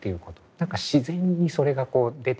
何か自然にそれがこう出てきてる。